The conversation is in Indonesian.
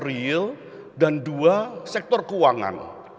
di sektor real dan dua sektor keuangan